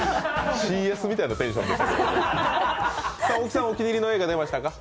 ＣＳみたいなテンションでしたけど。